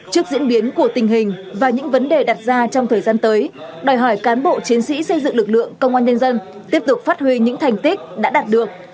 trước diễn biến của tình hình và những vấn đề đặt ra trong thời gian tới đòi hỏi cán bộ chiến sĩ xây dựng lực lượng công an nhân dân tiếp tục phát huy những thành tích đã đạt được